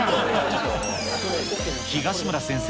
東村先生